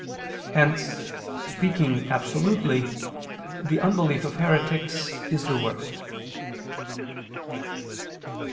Hence, speaking absolutely, the unbelief of heretics is the worst.